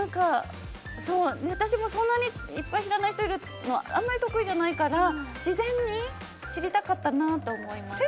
私もそんなにいっぱい知らない人がいるのはあまり得意じゃないから事前に知りたかったなと思いました。